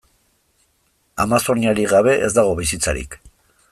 Amazoniarik gabe ez dago bizitzarik.